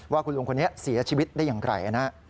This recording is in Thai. ว่าคุณลุงคนนี้เสียชีวิตได้อย่างไรนะ